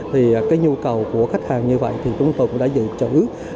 thì cái nhu cầu của khách hàng như vậy thì chúng tôi cũng đã dự trữ